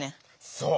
そう！